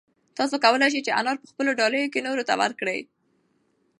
تاسو کولای شئ چې انار په خپلو ډالیو کې نورو ته ورکړئ.